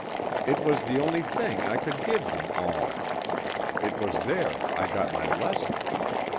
It was the only thing I could give them all. It was there I got my lesson.